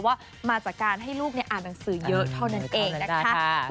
ว่ามาจากการให้ลูกอ่านหนังสือเยอะเท่านั้นเองนะคะ